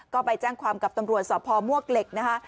ก็ไปแจ้งความกับตำรวจสพมวกเหล็กนะคะ